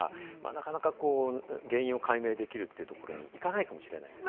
なかなか原因を解明できるというところに行かないかもしれないですね。